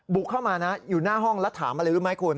เข้ามานะอยู่หน้าห้องแล้วถามอะไรรู้ไหมคุณ